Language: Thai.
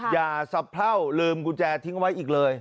อย่าสะเพราลืมกุญแจทิ้งไว้อีกเลย